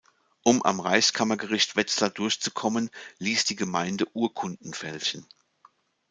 Um am Reichskammergericht Wetzlar durchzukommen, ließ die Gemeinde Urkunden fälschen.